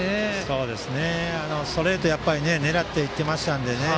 やはり、ストレートを狙っていってましたのでね。